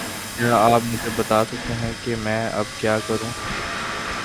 کیا آپ مجھے بتا سکتے ہے کہ میں اب کیا کروں؟